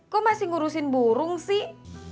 kok masih ngurusin burung sih